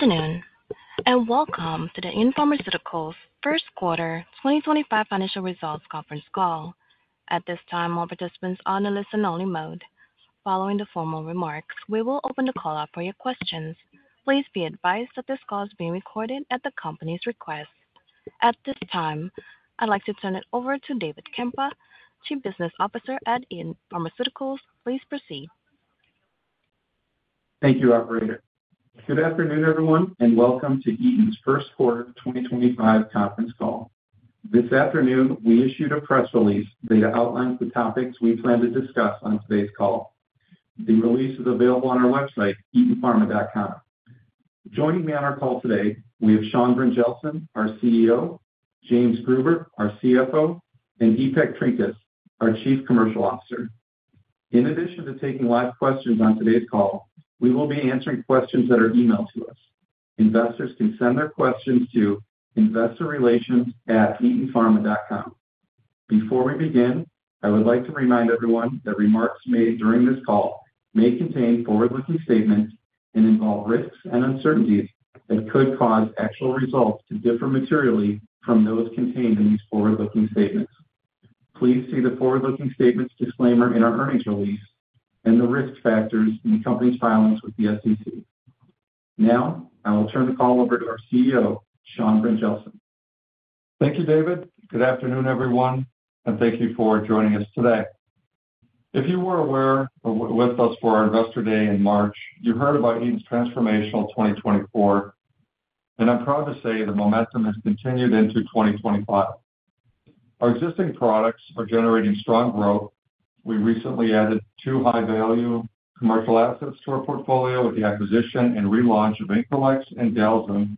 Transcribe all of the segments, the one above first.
Afternoon and welcome to the Eton Pharmaceuticals First Quarter 2025 Financial Results Conference call. At this time, all participants are on a listen-only mode. Following the formal remarks, we will open the call up for your questions. Please be advised that this call is being recorded at the company's request. At this time, I'd like to turn it over to David Krempa, Chief Business Officer at Eton Pharmaceuticals. Please proceed. Thank you, Operator. Good afternoon, everyone, and welcome to Eton's First Quarter 2025 Conference Call. This afternoon, we issued a press release that outlines the topics we plan to discuss on today's call. The release is available on our website, etonpharma.com. Joining me on our call today, we have Sean Brynjelsen, our CEO; James Gruber, our CFO; and Ipek Erdogan-Trinkaus, our Chief Commercial Officer. In addition to taking live questions on today's call, we will be answering questions that are emailed to us. Investors can send their questions to investorrelations@etonpharma.com. Before we begin, I would like to remind everyone that remarks made during this call may contain forward-looking statements and involve risks and uncertainties that could cause actual results to differ materially from those contained in these forward-looking statements. Please see the forward-looking statements disclaimer in our earnings release and the risk factors in the company's filings with the SEC. Now, I will turn the call over to our CEO, Sean Brynjelsen. Thank you, David. Good afternoon, everyone, and thank you for joining us today. If you were aware or with us for our Investor Day in March, you heard about Eton's transformational 2024, and I'm proud to say the momentum has continued into 2025. Our existing products are generating strong growth. We recently added two high-value commercial assets to our portfolio with the acquisition and relaunch of Increlex and Depen,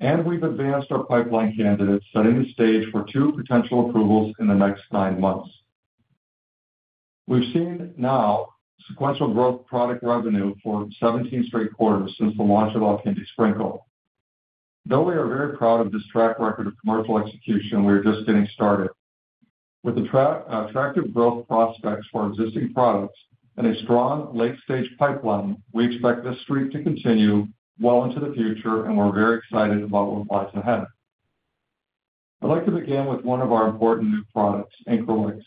and we've advanced our pipeline candidates, setting the stage for two potential approvals in the next nine months. We've seen now sequential growth product revenue for 17 straight quarters since the launch of Alkindi Sprinkle. Though we are very proud of this track record of commercial execution, we are just getting started. With attractive growth prospects for existing products and a strong late-stage pipeline, we expect this streak to continue well into the future, and we're very excited about what lies ahead. I'd like to begin with one of our important new products, Increlex.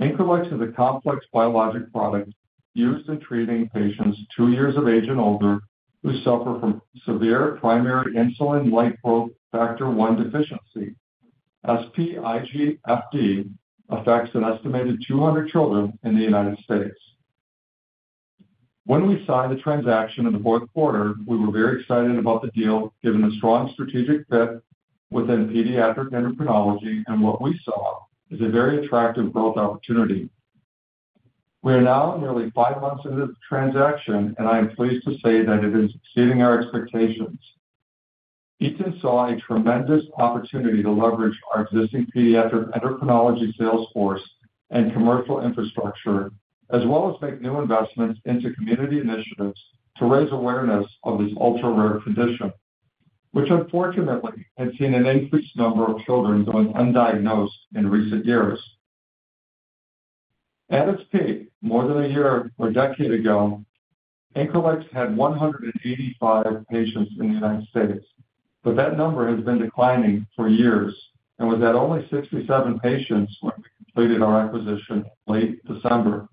Increlex is a complex biologic product used in treating patients two years of age and older who suffer from severe primary IGF-1 deficiency. SPIGFD affects an estimated 200 children in the United States. When we signed the transaction in the fourth quarter, we were very excited about the deal given the strong strategic fit within pediatric endocrinology and what we saw as a very attractive growth opportunity. We are now nearly five months into the transaction, and I am pleased to say that it is exceeding our expectations. Eton saw a tremendous opportunity to leverage our existing pediatric endocrinology sales force and commercial infrastructure, as well as make new investments into community initiatives to raise awareness of this ultra-rare condition, which unfortunately has seen an increased number of children going undiagnosed in recent years. At its peak, more than a year or a decade ago, Increlex had 185 patients in the United States, but that number has been declining for years and was at only 67 patients when we completed our acquisition late December.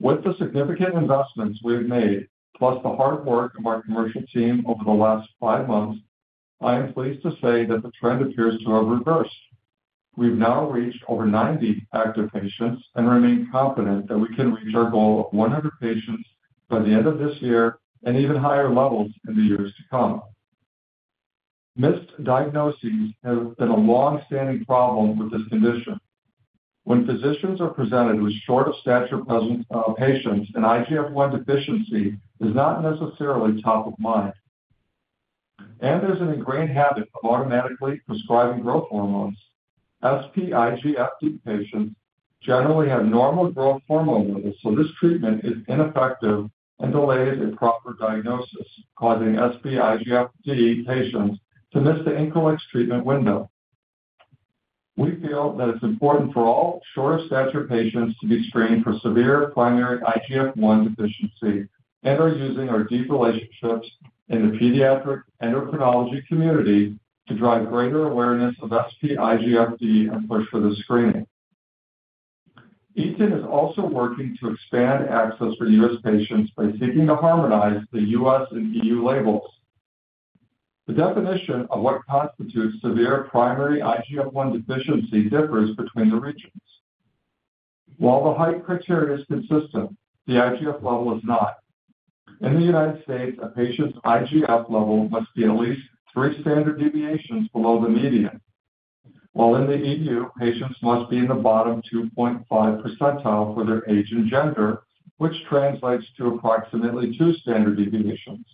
With the significant investments we have made, plus the hard work of our commercial team over the last five months, I am pleased to say that the trend appears to have reversed. We've now reached over 90 active patients and remain confident that we can reach our goal of 100 patients by the end of this year and even higher levels in the years to come. Missed diagnoses have been a long-standing problem with this condition. When physicians are presented with short-of-stature patients, an IGF-1 deficiency is not necessarily top of mind. There's an ingrained habit of automatically prescribing growth hormones. SPIGFD patients generally have normal growth hormone levels, so this treatment is ineffective and delays a proper diagnosis, causing SPIGFD patients to miss the Increlex treatment window. We feel that it's important for all short-of-stature patients to be screened for severe primary IGF-1 deficiency and are using our deep relationships in the pediatric endocrinology community to drive greater awareness of SPIGFD and push for this screening. Eton is also working to expand access for U.S. patients by seeking to harmonize the U.S. and E.U. labels. The definition of what constitutes severe primary IGF-1 deficiency differs between the regions. While the height criteria is consistent, the IGF level is not. In the United States, a patient's IGF level must be at least three standard deviations below the median, while in the E.U., patients must be in the bottom 2.5% for their age and gender, which translates to approximately two standard deviations.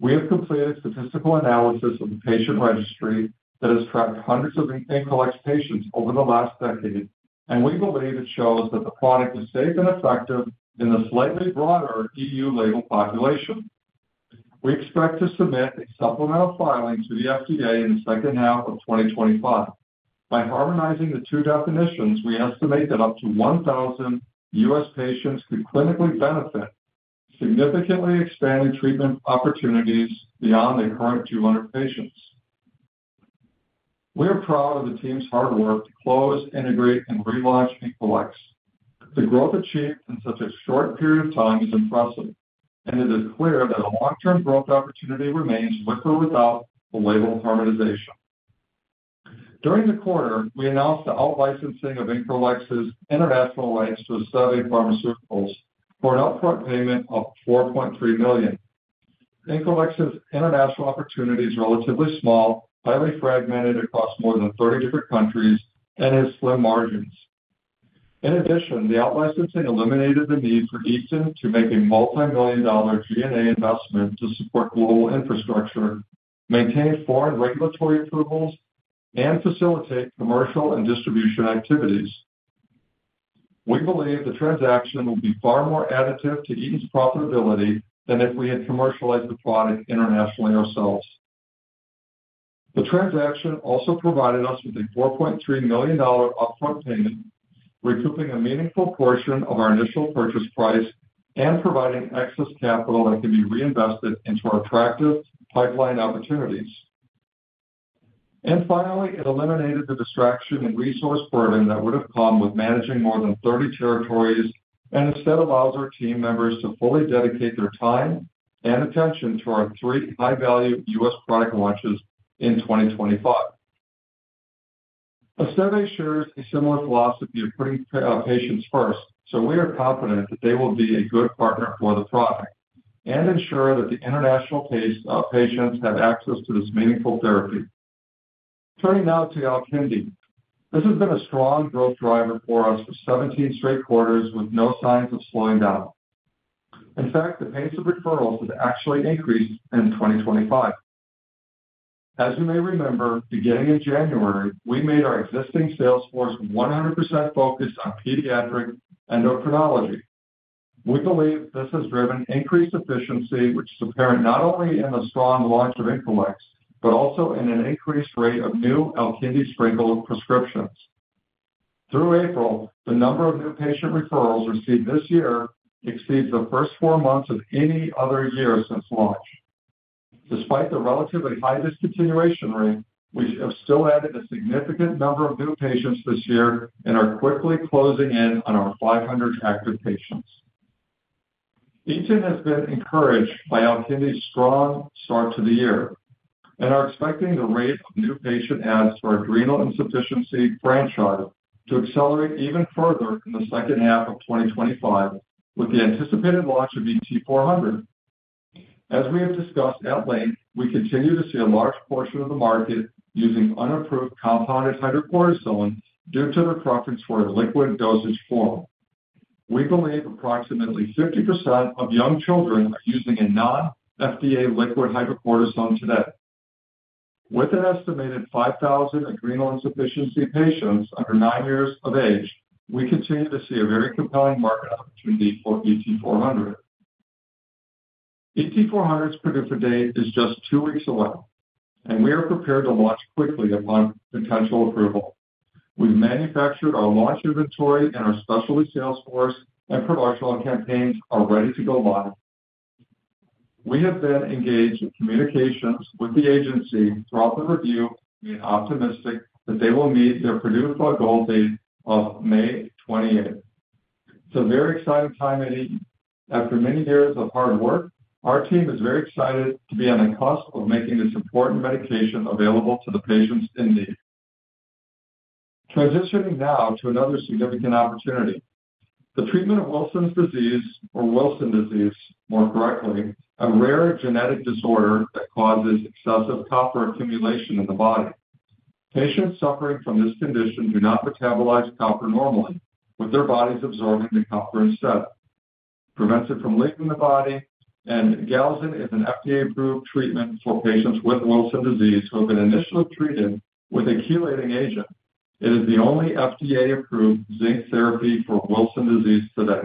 We have completed statistical analysis of the patient registry that has tracked hundreds of Increlex patients over the last decade, and we believe it shows that the product is safe and effective in the slightly broader E.U. label population. We expect to submit a supplemental filing to the FDA in the second half of 2025. By harmonizing the two definitions, we estimate that up to 1,000 U.S. patients could clinically benefit, significantly expanding treatment opportunities beyond the current 200 patients. We are proud of the team's hard work to close, integrate, and relaunch Increlex. The growth achieved in such a short period of time is impressive, and it is clear that a long-term growth opportunity remains with or without the label harmonization. During the quarter, we announced the outlicensing of Increlex's international rights to Esteve Pharmaceuticals for an upfront payment of $4.3 million. Increlex's international opportunity is relatively small, highly fragmented across more than 30 different countries, and has slim margins. In addition, the outlicensing eliminated the need for Eton to make a multi-million dollar G&A investment to support global infrastructure, maintain foreign regulatory approvals, and facilitate commercial and distribution activities. We believe the transaction will be far more additive to Eton's profitability than if we had commercialized the product internationally ourselves. The transaction also provided us with a $4.3 million upfront payment, recouping a meaningful portion of our initial purchase price and providing excess capital that can be reinvested into our attractive pipeline opportunities. Finally, it eliminated the distraction and resource burden that would have come with managing more than 30 territories and instead allows our team members to fully dedicate their time and attention to our three high-value U.S. product launches in 2025. Esteve assures a similar philosophy of putting patients first, so we are confident that they will be a good partner for the product and ensure that the international patients have access to this meaningful therapy. Turning now to Alkindi Sprinkle, this has been a strong growth driver for us for 17 straight quarters with no signs of slowing down. In fact, the pace of referrals has actually increased in 2025. As you may remember, beginning in January, we made our existing sales force 100% focused on pediatric endocrinology. We believe this has driven increased efficiency, which is apparent not only in the strong launch of Increlex but also in an increased rate of new Alkindi Sprinkle prescriptions. Through April, the number of new patient referrals received this year exceeds the first four months of any other year since launch. Despite the relatively high discontinuation rate, we have still added a significant number of new patients this year and are quickly closing in on our 500 active patients. Eton has been encouraged by Alkindi Sprinkle's strong start to the year and are expecting the rate of new patient adds for adrenal insufficiency franchise to accelerate even further in the second half of 2025 with the anticipated launch of ET400. As we have discussed at length, we continue to see a large portion of the market using unapproved compounded hydrocortisone due to their preference for a liquid dosage form. We believe approximately 50% of young children are using a non-FDA liquid hydrocortisone today. With an estimated 5,000 adrenal insufficiency patients under nine years of age, we continue to see a very compelling market opportunity for ET400. ET400's PDUFA date is just two weeks away, and we are prepared to launch quickly upon potential approval. We've manufactured our launch inventory and our specialty sales force and promotional campaigns are ready to go live. We have been engaged in communications with the agency throughout the review and optimistic that they will meet their PDUFA goal date of May 28. It's a very exciting time at Eton. After many years of hard work, our team is very excited to be on the cusp of making this important medication available to the patients in need. Transitioning now to another significant opportunity. The treatment of Wilson's disease, or Wilson disease more correctly, is a rare genetic disorder that causes excessive copper accumulation in the body. Patients suffering from this condition do not metabolize copper normally, with their bodies absorbing the copper instead. It prevents it from leaving the body, and Depen is an FDA-approved treatment for patients with Wilson disease who have been initially treated with a chelating agent. It is the only FDA-approved zinc therapy for Wilson's disease today.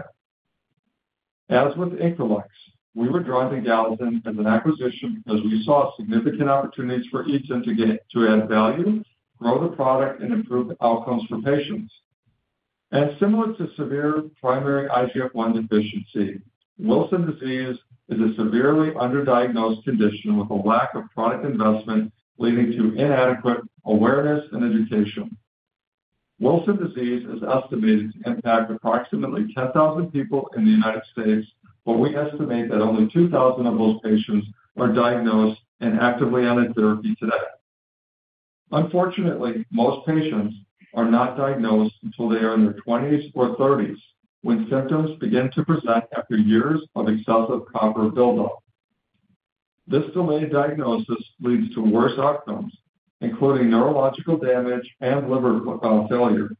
As with Increlex, we were drawn to Depen as an acquisition because we saw significant opportunities for Eton to add value, grow the product, and improve the outcomes for patients. Similar to severe primary IGF-1 deficiency, Wilson's disease is a severely underdiagnosed condition with a lack of product investment leading to inadequate awareness and education. Wilson's disease is estimated to impact approximately 10,000 people in the United States, but we estimate that only 2,000 of those patients are diagnosed and actively on a therapy today. Unfortunately, most patients are not diagnosed until they are in their 20s or 30s when symptoms begin to present after years of excessive copper buildup. This delayed diagnosis leads to worse outcomes, including neurological damage and liver failure.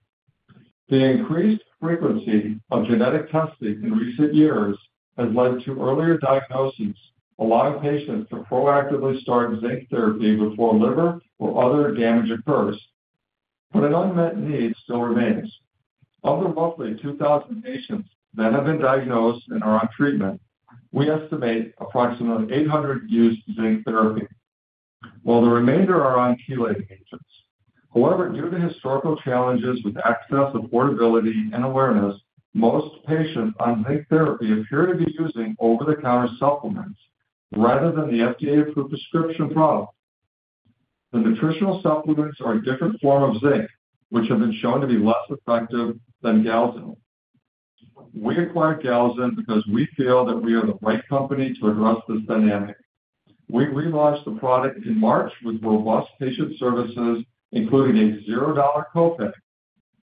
The increased frequency of genetic testing in recent years has led to earlier diagnoses, allowing patients to proactively start zinc therapy before liver or other damage occurs, but an unmet need still remains. Of the roughly 2,000 patients that have been diagnosed and are on treatment, we estimate approximately 800 use zinc therapy, while the remainder are on chelating agents. However, due to historical challenges with access, affordability, and awareness, most patients on zinc therapy appear to be using over-the-counter supplements rather than the FDA-approved prescription product. The nutritional supplements are a different form of zinc, which have been shown to be less effective than Depen. We acquired Depen because we feel that we are the right company to address this dynamic. We relaunched the product in March with robust patient services, including a $0 copay.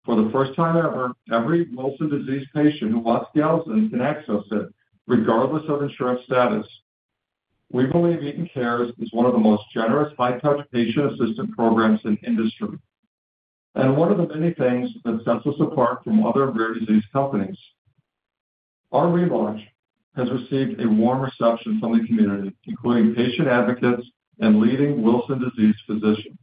For the first time ever, every Wilson's disease patient who wants Depen can access it regardless of insurance status. We believe Eton Cares is one of the most generous high-touch patient assistance programs in the industry and one of the many things that sets us apart from other rare disease companies. Our relaunch has received a warm reception from the community, including patient advocates and leading Wilson's disease physicians.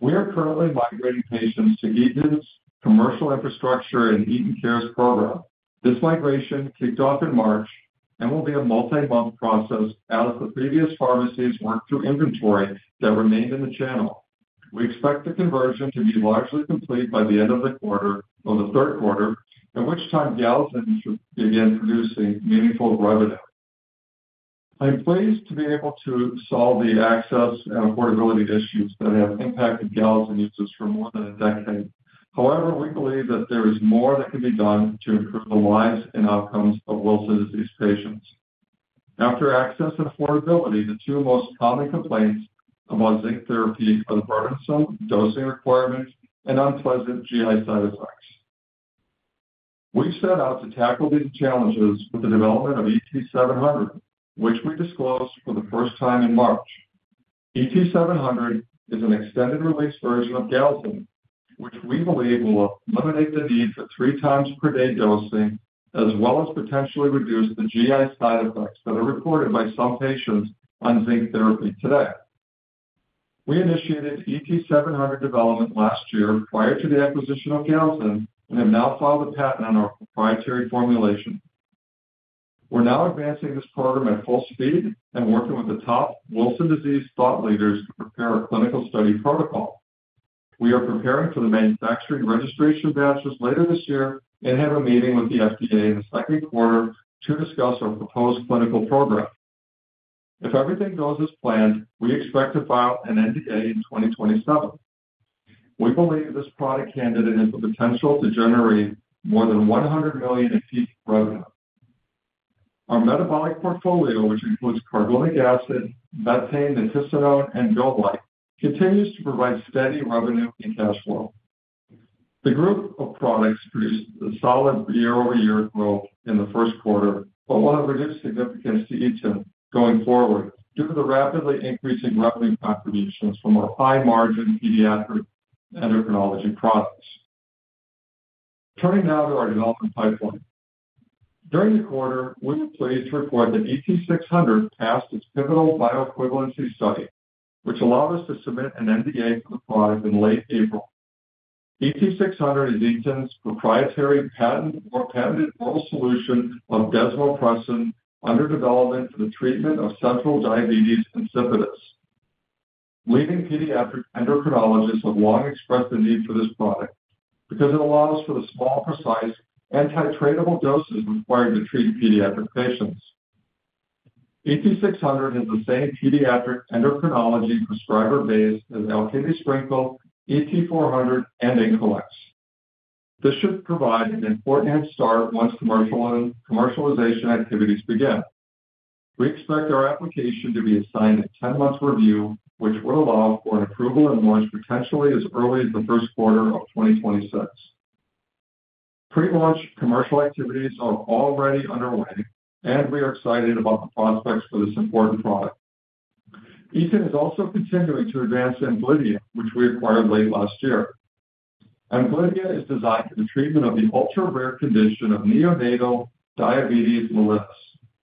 We are currently migrating patients to Eton's commercial infrastructure and Eton Cares program. This migration kicked off in March and will be a multi-month process as the previous pharmacies worked through inventory that remained in the channel. We expect the conversion to be largely complete by the end of the quarter or the third quarter, at which time Depen should begin producing meaningful revenue. I'm pleased to be able to solve the access and affordability issues that have impacted Depen users for more than a decade. However, we believe that there is more that can be done to improve the lives and outcomes of Wilson's disease patients. After access and affordability, the two most common complaints about zinc therapy are the burdensome dosing requirements and unpleasant GI side effects. We've set out to tackle these challenges with the development of ET700, which we disclosed for the first time in March. ET700 is an extended-release version of Depen, which we believe will eliminate the need for three times per day dosing, as well as potentially reduce the GI side effects that are reported by some patients on zinc therapy today. We initiated ET700 development last year prior to the acquisition of Depen and have now filed a patent on our proprietary formulation. We're now advancing this program at full speed and working with the top Wilson's disease thought leaders to prepare a clinical study protocol. We are preparing for the manufacturing registration batches later this year and have a meeting with the FDA in the second quarter to discuss our proposed clinical program. If everything goes as planned, we expect to file an NDA in 2027. We believe this product candidate has the potential to generate more than $100 million in peak revenue. Our metabolic portfolio, which includes carbonic acid, methane, [Nitisinone], and [GOLIKE], continues to provide steady revenue and cash flow. The group of products produced a solid year-over-year growth in the first quarter, but will have reduced significance to Eton going forward due to the rapidly increasing revenue contributions from our high-margin pediatric endocrinology products. Turning now to our development pipeline. During the quarter, we were pleased to report that ET600 passed its pivotal bioequivalency study, which allowed us to submit an NDA for the product in late April. ET600 is Eton's proprietary patented oral solution of desmopressin under development for the treatment of central diabetes insipidus. Leading pediatric endocrinologists have long expressed the need for this product because it allows for the small, precise, and titratable doses required to treat pediatric patients. ET600 has the same pediatric endocrinology prescriber base as Alkindi Sprinkle, ET400, and Increlex. This should provide an important head start once commercialization activities begin. We expect our application to be assigned a 10-month review, which would allow for an approval and launch potentially as early as the first quarter of 2026. Prelaunch commercial activities are already underway, and we are excited about the prospects for this important product. Eton is also continuing to advance Amglidia, which we acquired late last year. Amglidia is designed for the treatment of the ultra-rare condition of neonatal diabetes mellitus,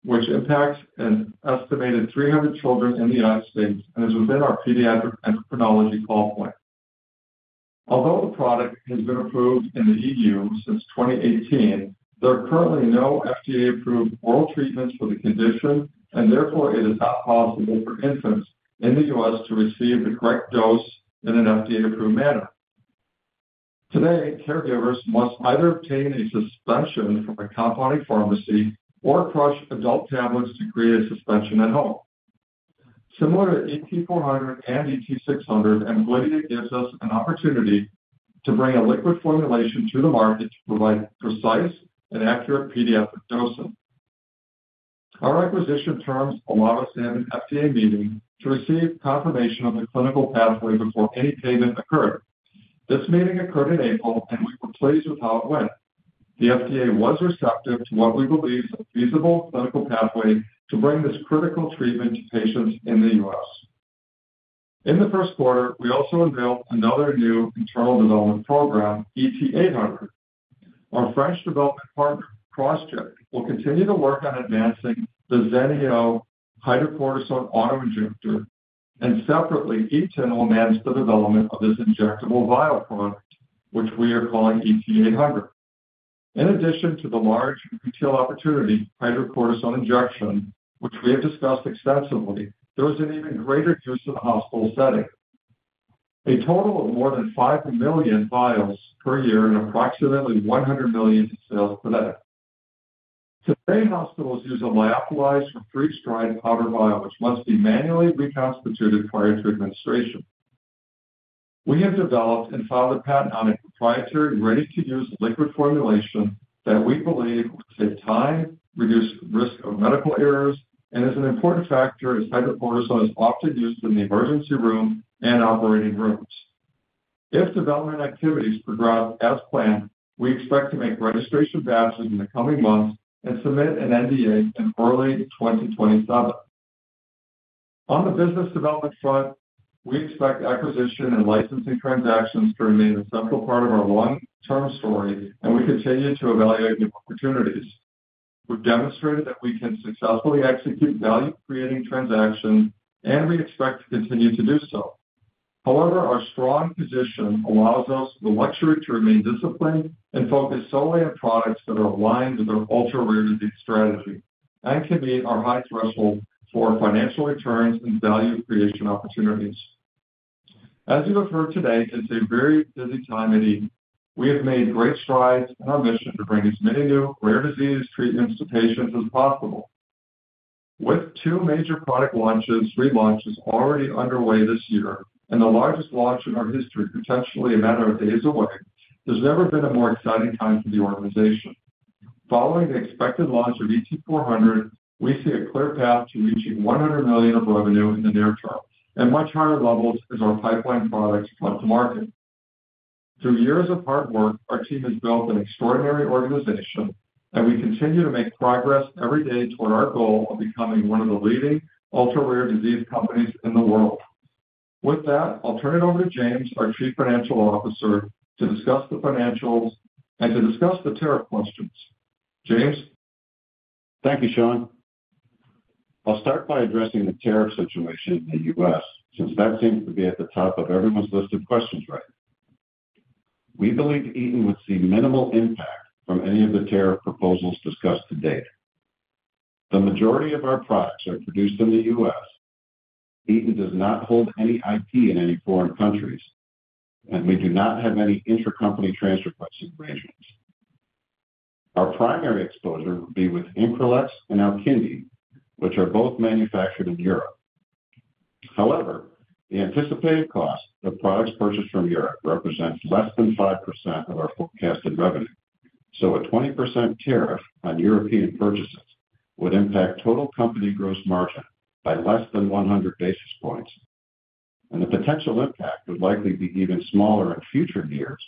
which impacts an estimated 300 children in the United States and is within our pediatric endocrinology call point. Although the product has been approved in the E.U. since 2018, there are currently no FDA-approved oral treatments for the condition, and therefore it is not possible for infants in the U.S. to receive the correct dose in an FDA-approved manner. Today, caregivers must either obtain a suspension from a compounding pharmacy or crush adult tablets to create a suspension at home. Similar to ET400 and ET600, Amglidia gives us an opportunity to bring a liquid formulation to the market to provide precise and accurate pediatric dosing. Our acquisition terms allow us to have an FDA meeting to receive confirmation of the clinical pathway before any payment occurred. This meeting occurred in April, and we were pleased with how it went. The FDA was receptive to what we believe is a feasible clinical pathway to bring this critical treatment to patients in the U.S. In the first quarter, we also unveiled another new internal development program, ET800. Our French development partner, Crossject, will continue to work on advancing the Zeneo hydrocortisone autoinjector, and separately, Eton will manage the development of this injectable vial product, which we are calling ET800. In addition to the large retail opportunity hydrocortisone injection, which we have discussed extensively, there is an even greater use in the hospital setting. A total of more than 5 million vials per year and approximately 100,000 sales per day. Today, hospitals use a lyophilized or pre-strength powder vial, which must be manually reconstituted prior to administration. We have developed and filed a patent on a proprietary ready-to-use liquid formulation that we believe will save time, reduce risk of medical errors, and is an important factor as hydrocortisone is often used in the emergency room and operating rooms. If development activities progress as planned, we expect to make registration batches in the coming months and submit an NDA in early 2027. On the business development front, we expect acquisition and licensing transactions to remain a central part of our long-term story, and we continue to evaluate new opportunities. We've demonstrated that we can successfully execute value-creating transactions, and we expect to continue to do so. However, our strong position allows us the luxury to remain disciplined and focus solely on products that are aligned with our ultra-rare disease strategy and can meet our high threshold for financial returns and value-creation opportunities. As you have heard today, it's a very busy time at Eton. We have made great strides in our mission to bring as many new rare disease treatments to patients as possible. With two major product launches, relaunch is already underway this year, and the largest launch in our history potentially a matter of days away. There's never been a more exciting time for the organization. Following the expected launch of ET400, we see a clear path to reaching $100 million of revenue in the near term and much higher levels as our pipeline products come to market. Through years of hard work, our team has built an extraordinary organization, and we continue to make progress every day toward our goal of becoming one of the leading ultra-rare disease companies in the world. With that, I'll turn it over to James, our Chief Financial Officer, to discuss the financials and to discuss the tariff questions. James. Thank you, Sean. I'll start by addressing the tariff situation in the U.S. since that seems to be at the top of everyone's list of questions right now. We believe Eton would see minimal impact from any of the tariff proposals discussed to date. The majority of our products are produced in the U.S. Eton does not hold any IP in any foreign countries, and we do not have any intercompany transfer pricing arrangements. Our primary exposure would be with Increlex and Alkindi Sprinkle, which are both manufactured in Europe. However, the anticipated cost of products purchased from Europe represents less than 5% of our forecasted revenue, so a 20% tariff on European purchases would impact total company gross margin by less than 100 basis points, and the potential impact would likely be even smaller in future years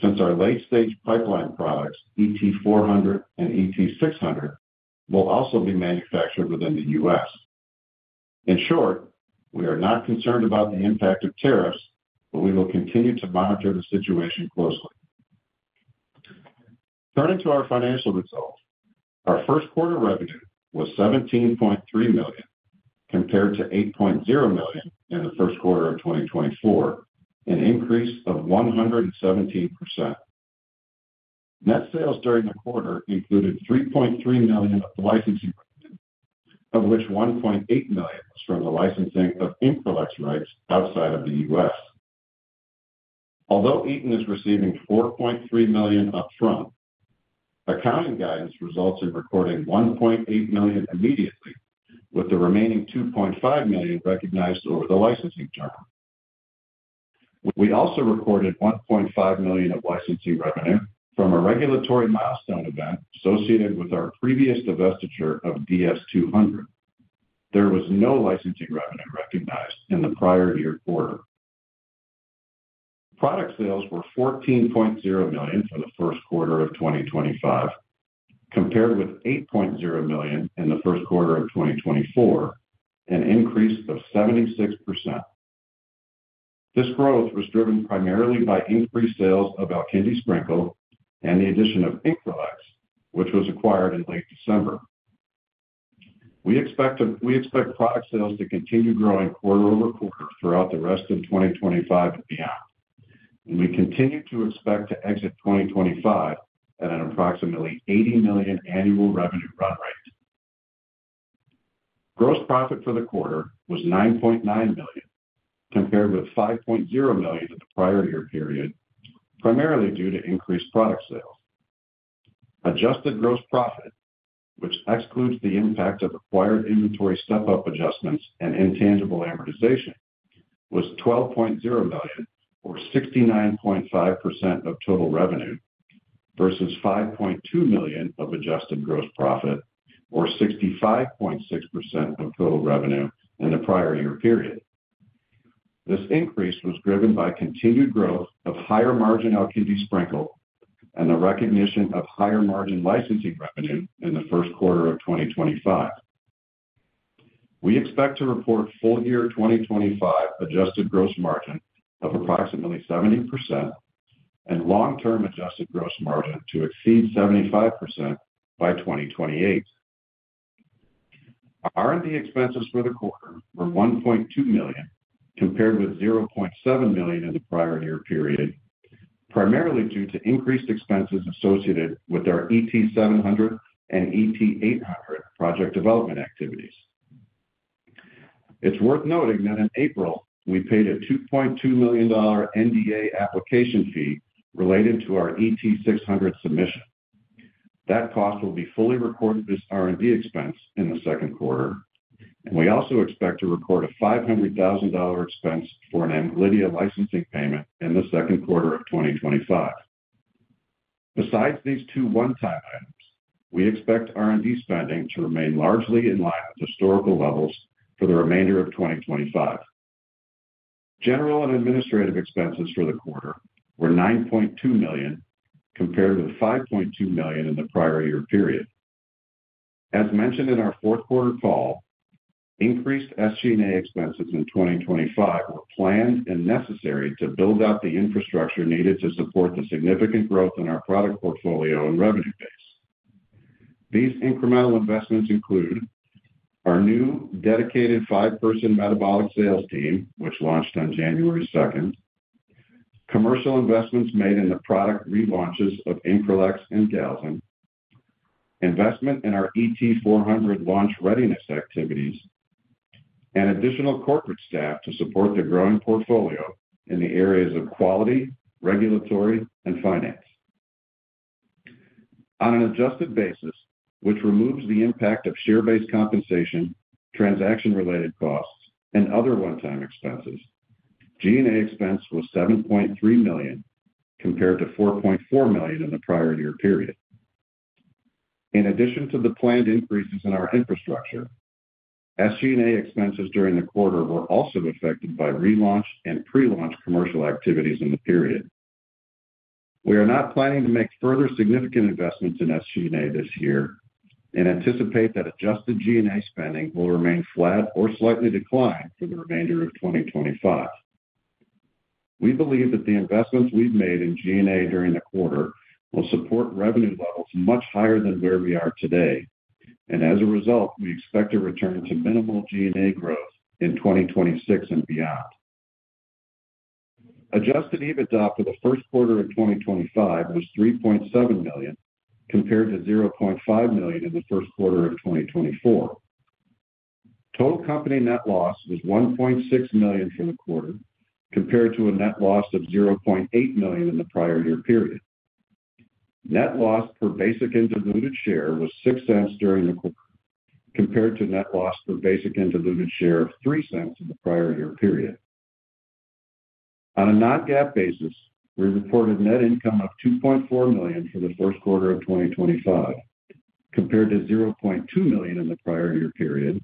since our late-stage pipeline products, ET400 and ET600, will also be manufactured within the U.S. In short, we are not concerned about the impact of tariffs, but we will continue to monitor the situation closely. Turning to our financial results, our first quarter revenue was $17.3 million compared to $8.0 million in the first quarter of 2024, an increase of 117%. Net sales during the quarter included $3.3 million of the licensing revenue, of which $1.8 million was from the licensing of Increlex rights outside of the U.S. Although Eton is receiving $4.3 million upfront, accounting guidance results in recording $1.8 million immediately, with the remaining $2.5 million recognized over the licensing term. We also recorded $1.5 million of licensing revenue from a regulatory milestone event associated with our previous divestiture of DS200. There was no licensing revenue recognized in the prior year quarter. Product sales were $14.0 million for the first quarter of 2025, compared with $8.0 million in the first quarter of 2024, an increase of 76%. This growth was driven primarily by increased sales of Alkindi Sprinkle and the addition of Increlex, which was acquired in late December. We expect product sales to continue growing quarter over quarter throughout the rest of 2025 and beyond, and we continue to expect to exit 2025 at an approximately $80 million annual revenue run rate. Gross profit for the quarter was $9.9 million, compared with $5.0 million in the prior year period, primarily due to increased product sales. Adjusted gross profit, which excludes the impact of acquired inventory step-up adjustments and intangible amortization, was $12.0 million, or 69.5% of total revenue, versus $5.2 million of adjusted gross profit, or 65.6% of total revenue in the prior year period. This increase was driven by continued growth of higher margin Alkindi Sprinkle and the recognition of higher margin licensing revenue in the first quarter of 2025. We expect to report full year 2025 adjusted gross margin of approximately 70% and long-term adjusted gross margin to exceed 75% by 2028. R&D expenses for the quarter were $1.2 million, compared with $0.7 million in the prior year period, primarily due to increased expenses associated with our ET700 and ET800 project development activities. It's worth noting that in April, we paid a $2.2 million NDA application fee related to our ET600 submission. That cost will be fully recorded as R&D expense in the second quarter, and we also expect to record a $500,000 expense for an Amglidia licensing payment in the second quarter of 2025. Besides these two one-time items, we expect R&D spending to remain largely in line with historical levels for the remainder of 2025. General and administrative expenses for the quarter were $9.2 million, compared with $5.2 million in the prior year period. As mentioned in our fourth quarter call, increased SG&A expenses in 2025 were planned and necessary to build out the infrastructure needed to support the significant growth in our product portfolio and revenue base. These incremental investments include our new dedicated five-person metabolic sales team, which launched on January 2, commercial investments made in the product relaunches of Increlex and Galzin, investment in our ET400 launch readiness activities, and additional corporate staff to support the growing portfolio in the areas of quality, regulatory, and finance. On an adjusted basis, which removes the impact of share-based compensation, transaction-related costs, and other one-time expenses, G&A expense was $7.3 million, compared to $4.4 million in the prior year period. In addition to the planned increases in our infrastructure, SG&A expenses during the quarter were also affected by relaunch and pre-launch commercial activities in the period. We are not planning to make further significant investments in SG&A this year and anticipate that adjusted G&A spending will remain flat or slightly decline for the remainder of 2025. We believe that the investments we've made in G&A during the quarter will support revenue levels much higher than where we are today, and as a result, we expect a return to minimal G&A growth in 2026 and beyond. Adjusted EBITDA for the first quarter of 2025 was $3.7 million, compared to $0.5 million in the first quarter of 2024. Total company net loss was $1.6 million for the quarter, compared to a net loss of $0.8 million in the prior year period. Net loss per basic and diluted share was $0.06 during the quarter, compared to net loss per basic and diluted share of $0.03 in the prior year period. On a non-GAAP basis, we reported net income of $2.4 million for the first quarter of 2025, compared to $0.2 million in the prior year period,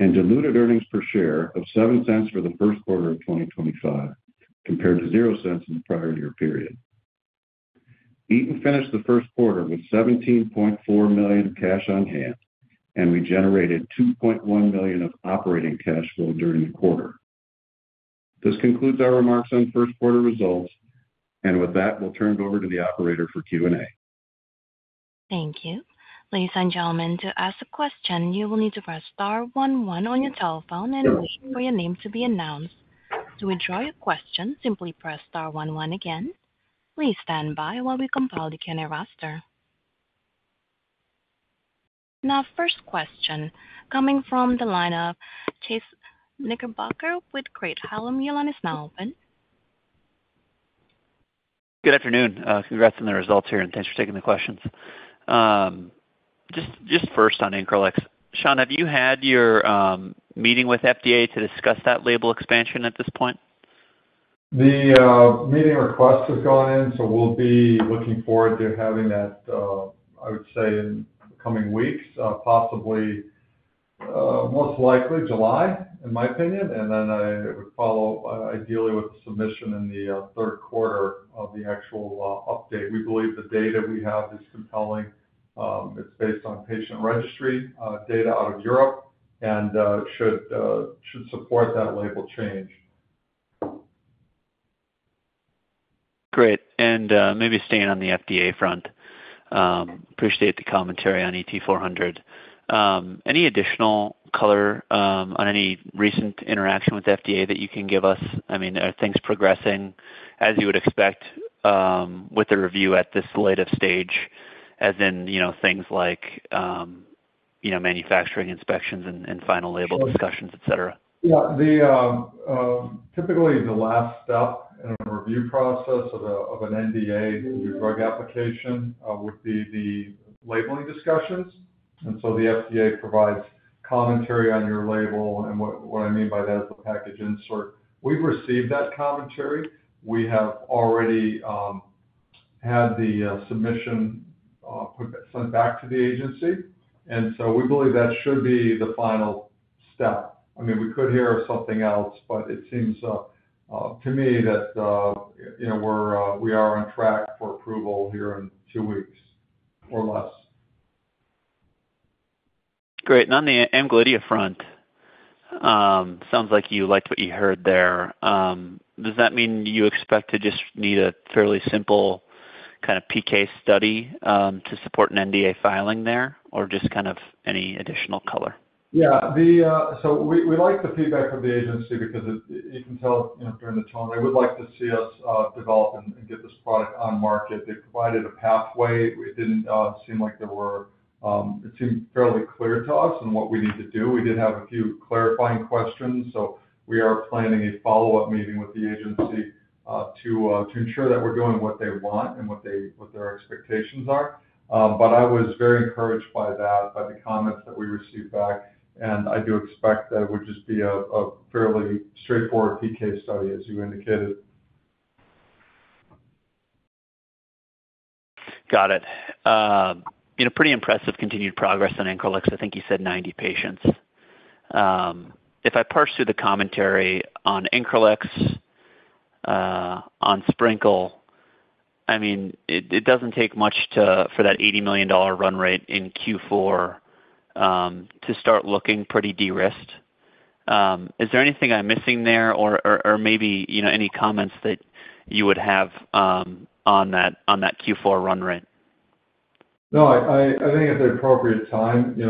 and diluted earnings per share of $0.07 for the first quarter of 2025, compared to $0.00 in the prior year period. Eton finished the first quarter with $17.4 million cash on hand, and we generated $2.1 million of operating cash flow during the quarter. This concludes our remarks on first quarter results, and with that, we'll turn it over to the operator for Q&A. Thank you. Ladies and gentlemen, to ask a question, you will need to press star 11 on your telephone and wait for your name to be announced. To withdraw your question, simply press star 11 again. Please stand by while we compile the Q&A roster. Now, first question coming from the line of Chase Knickerbocker with Craig-Hallum. Good afternoon. Congrats on the results here, and thanks for taking the questions. Just first on Increlex. Sean, have you had your meeting with FDA to discuss that label expansion at this point? The meeting request has gone in, so we'll be looking forward to having that, I would say, in the coming weeks, possibly, most likely July, in my opinion, and then it would follow ideally with the submission in the third quarter of the actual update. We believe the data we have is compelling. It's based on patient registry data out of Europe and should support that label change. Great. Maybe staying on the FDA front, appreciate the commentary on ET400. Any additional color on any recent interaction with FDA that you can give us? I mean, are things progressing as you would expect with the review at this late of stage, as in things like manufacturing inspections and final label discussions, etc.? Yeah. Typically, the last step in a review process of an NDA to do drug application would be the labeling discussions. The FDA provides commentary on your label, and what I mean by that is the package insert. We've received that commentary. We have already had the submission sent back to the agency, and we believe that should be the final step. I mean, we could hear of something else, but it seems to me that we are on track for approval here in two weeks or less. Great. On the Amglidia front, sounds like you liked what you heard there. Does that mean you expect to just need a fairly simple kind of PK study to support an NDA filing there, or just kind of any additional color? Yeah. We like the feedback from the agency because you can tell during the talk they would like to see us develop and get this product on market. They provided a pathway. It did not seem like there were, it seemed fairly clear to us in what we need to do. We did have a few clarifying questions, so we are planning a follow-up meeting with the agency to ensure that we are doing what they want and what their expectations are. I was very encouraged by that, by the comments that we received back, and I do expect that it would just be a fairly straightforward PK study, as you indicated. Got it. Pretty impressive continued progress on Increlex. I think you said 90 patients. If I parse through the commentary on Increlex, on Sprinkle, I mean, it does not take much for that $80 million run rate in Q4 to start looking pretty de-risked. Is there anything I am missing there, or maybe any comments that you would have on that Q4 run rate? No. I think at the appropriate time, we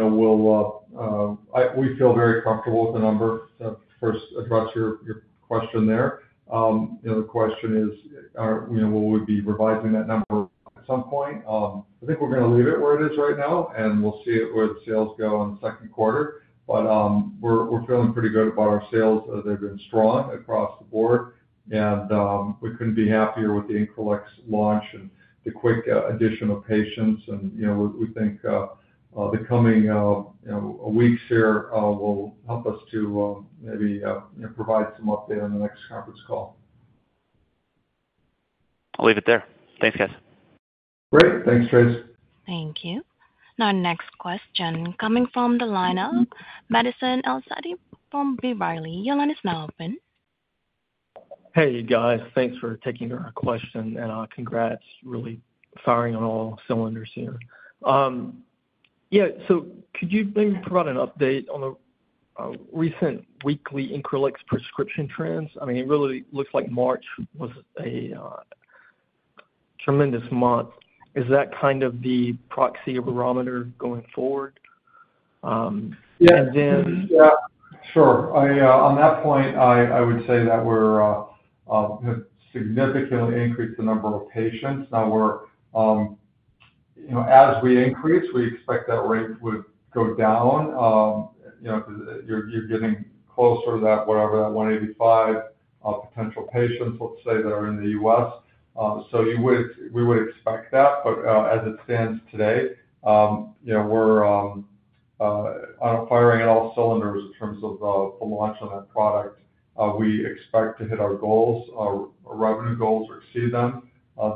feel very comfortable with the number to first address your question there. The question is, will we be revising that number at some point? I think we are going to leave it where it is right now, and we will see where the sales go in the second quarter. We are feeling pretty good about our sales. They have been strong across the board, and we could not be happier with the Increlex launch and the quick addition of patients. We think the coming weeks here will help us to maybe provide some update on the next conference call. I'll leave it there. Thanks, guys. Great. Thanks, Trace. Thank you. Now, next question coming from the line of Madison EIsaadi from B. Riley. [Your line is now open]. Hey, guys. Thanks for taking our question, and congrats. Really firing on all cylinders here. Yeah. Could you maybe provide an update on the recent weekly Increlex prescription trends? I mean, it really looks like March was a tremendous month. Is that kind of the proxy barometer going forward? Yeah. Sure. On that point, I would say that we've significantly increased the number of patients. Now, as we increase, we expect that rate would go down because you're getting closer to that, whatever, that 185 potential patients, let's say, that are in the U.S. We would expect that. As it stands today, we're firing at all cylinders in terms of the launch on that product. We expect to hit our goals, our revenue goals, or exceed them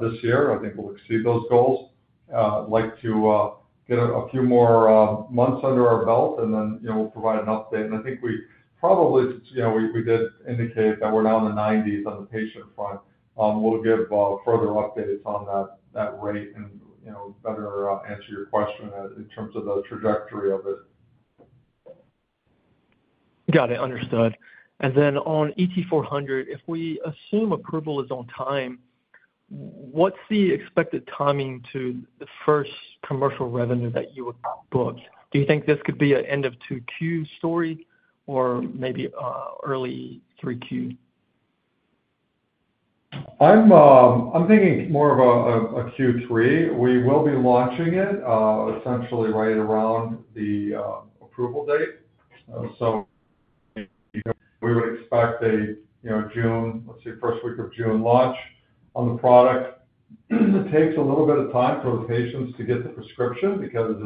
this year. I think we'll exceed those goals. I'd like to get a few more months under our belt, and then we'll provide an update. I think we probably—we did indicate that we're now in the 90s on the patient front. We'll give further updates on that rate and better answer your question in terms of the trajectory of it. Got it. Understood. On ET400, if we assume approval is on time, what's the expected timing to the first commercial revenue that you would book? Do you think this could be an end-of-2Q story or maybe early 3Q? I'm thinking more of a Q3. We will be launching it essentially right around the approval date. We would expect a June, let's say, first week of June launch on the product. It takes a little bit of time for the patients to get the prescription because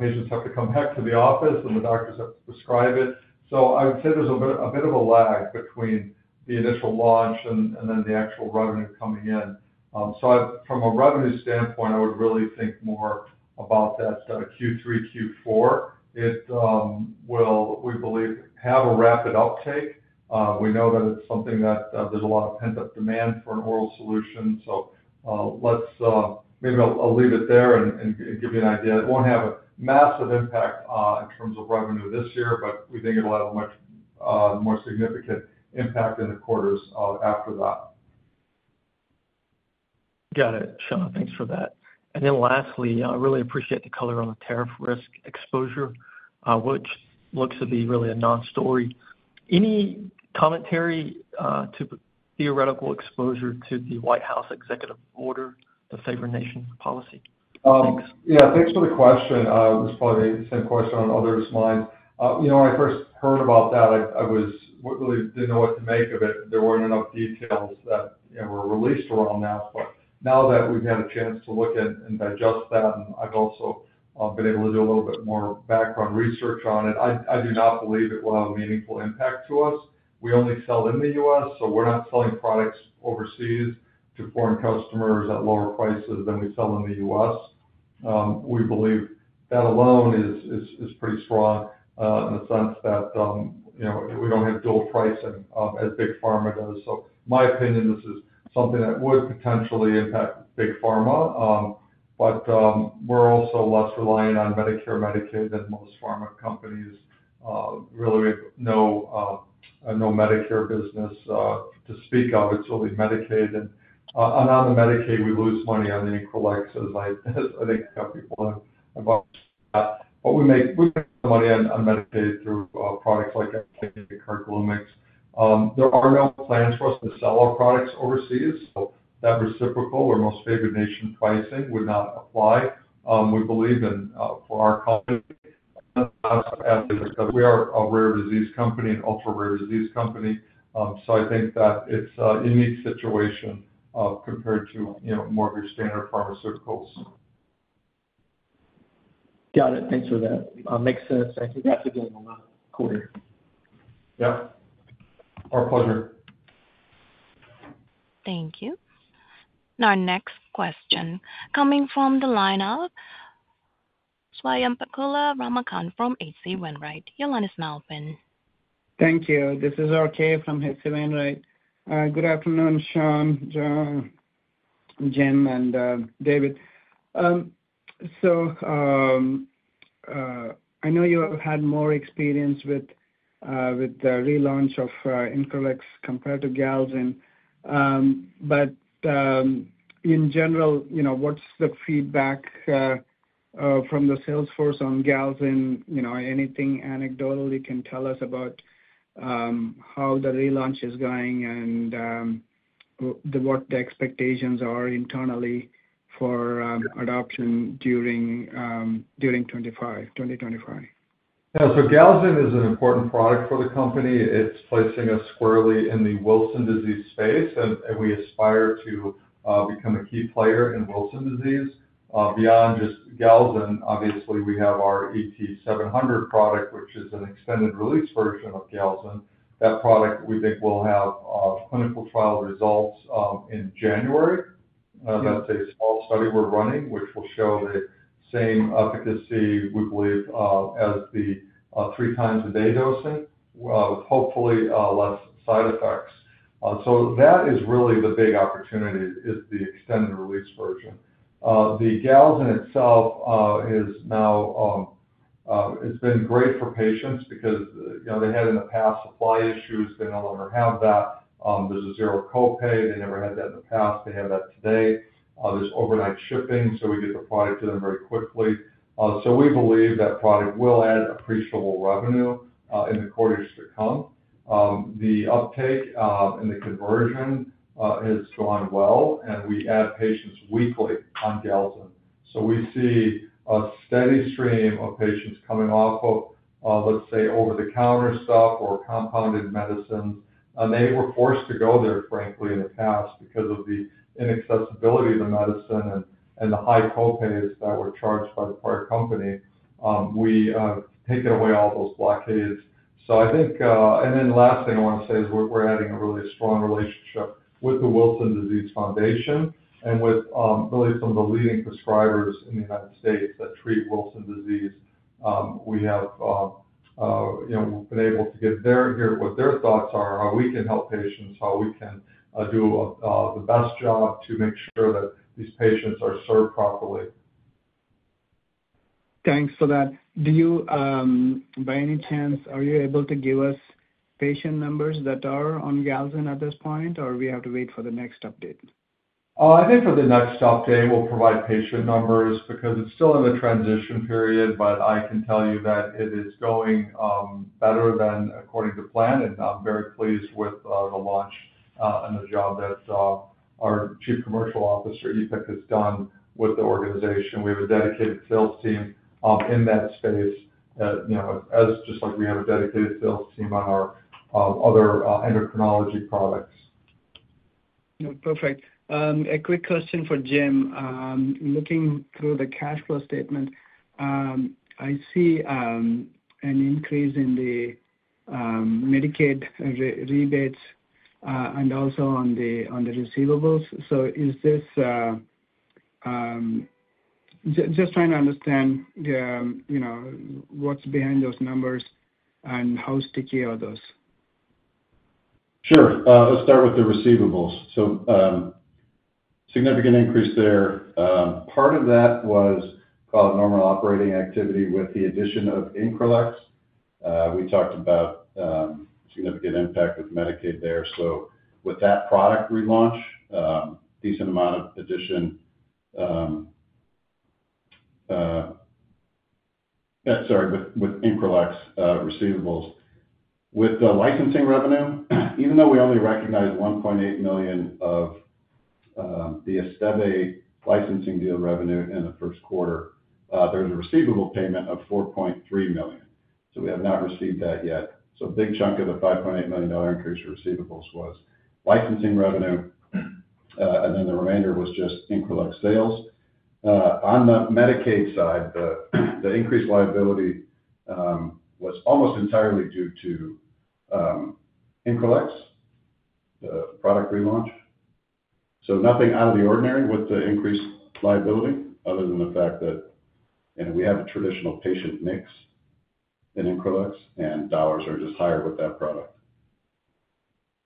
patients have to come back to the office, and the doctors have to prescribe it. I would say there's a bit of a lag between the initial launch and then the actual revenue coming in. From a revenue standpoint, I would really think more about that Q3, Q4. It will, we believe, have a rapid uptake. We know that it's something that there's a lot of pent-up demand for an oral solution. Maybe I'll leave it there and give you an idea. It won't have a massive impact in terms of revenue this year, but we think it'll have a much more significant impact in the quarters after that. Got it. Sean, thanks for that. Lastly, I really appreciate the color on the tariff risk exposure, which looks to be really a non-story. Any commentary to theoretical exposure to the White House executive order, the favorite nation policy? Thanks yeah. Thanks for the question. It was probably the same question on others' minds. When I first heard about that, I really didn't know what to make of it. There weren't enough details that were released around that. Now that we've had a chance to look at and digest that, and I've also been able to do a little bit more background research on it, I do not believe it will have a meaningful impact to us. We only sell in the U.S., so we're not selling products overseas to foreign customers at lower prices than we sell in the U.S. We believe that alone is pretty strong in the sense that we do not have dual pricing as Big Pharma does. In my opinion, this is something that would potentially impact Big Pharma. We are also less reliant on Medicare, Medicaid than most pharma companies. Really, we have no Medicare business to speak of. It is really Medicaid. On Medicare, we lose money on the Increlex, as I think a couple of people know about that. We make money on Medicaid through products like [Carglumic]. There are no plans for us to sell our products overseas. That reciprocal or most favored nation pricing would not apply, we believe, for our company. We are a rare disease company, an ultra-rare disease company. I think that it is a unique situation compared to more of your standard pharmaceuticals. Got it. Thanks for that. Makes sense. And congrats again on that quarter. Yeah. Our pleasure. Thank you. Next question coming from the line of Swayampakula Ramakanth from H.C. Wainwright. [Your line is now open]. Thank you. This is RK from HC Wainwright. Good afternoon, Sean, Jim, and David. I know you have had more experience with the relaunch of Increlex compared to Galzin. In general, what's the feedback from the salesforce on Galzin? Anything anecdotal you can tell us about how the relaunch is going and what the expectations are internally for adoption during 2025? Galzin is an important product for the company. It's placing us squarely in the Wilson's disease space, and we aspire to become a key player in Wilson's disease. Beyond just Galzin, obviously, we have our ET700 product, which is an extended-release version of Galzin. That product, we think, will have clinical trial results in January. That's a small study we're running, which will show the same efficacy, we believe, as the three-times-a-day dosing, with hopefully less side effects. That is really the big opportunity, is the extended-release version. The Galzin itself has been great for patients because they had, in the past, supply issues. They no longer have that. There's a zero copay. They never had that in the past. They have that today. There's overnight shipping, so we get the product to them very quickly. We believe that product will add appreciable revenue in the quarters to come. The uptake and the conversion has gone well, and we add patients weekly on Galzin. We see a steady stream of patients coming off of, let's say, over-the-counter stuff or compounded medicines. They were forced to go there, frankly, in the past because of the inaccessibility of the medicine and the high copays that were charged by the prior company. We take away all those blockades. I think the last thing I want to say is we're adding a really strong relationship with the Wilson Disease Foundation and with, really, some of the leading prescribers in the United States that treat Wilson disease. We have been able to get their—hear what their thoughts are, how we can help patients, how we can do the best job to make sure that these patients are served properly. Thanks for that. By any chance, are you able to give us patient numbers that are on Galzin at this point, or do we have to wait for the next update? I think for the next update, we'll provide patient numbers because it's still in the transition period, but I can tell you that it is going better than according to plan. I am very pleased with the launch and the job that our Chief Commercial Officer, Ipek Erdogan-Trinkaus, has done with the organization. We have a dedicated sales team in that space, just like we have a dedicated sales team on our other endocrinology products. Perfect. A quick question for Jame. Looking through the cash flow statement, I see an increase in the Medicaid rebates and also on the receivables. Just trying to understand what's behind those numbers and how sticky are those? Sure. Let's start with the receivables. Significant increase there. Part of that was called normal operating activity with the addition of Increlex. We talked about significant impact with Medicaid there. With that product relaunch, decent amount of addition—sorry, with Increlex receivables. With the licensing revenue, even though we only recognized $1.8 million of the Esteve licensing deal revenue in the first quarter, there was a receivable payment of $4.3 million. We have not received that yet. A big chunk of the $5.8 million increase in receivables was licensing revenue, and then the remainder was just Increlex sales. On the Medicaid side, the increased liability was almost entirely due to Increlex, the product relaunch. Nothing out of the ordinary with the increased liability, other than the fact that we have a traditional patient mix in Increlex, and dollars are just higher with that product.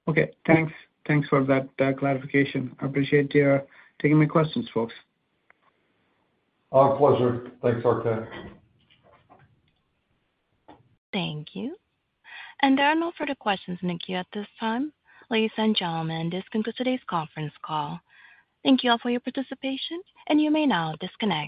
Okay. Thanks. Thanks for that clarification. I appreciate your taking my questions, folks. Our pleasure. Thanks, RK. Thank you. There are no further questions in the queue at this time. Ladies and gentlemen, this concludes today's conference call. Thank you all for your participation, and you may now disconnect.